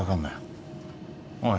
おい。